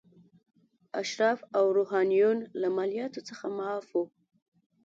اشراف او روحانیون له مالیاتو څخه معاف وو.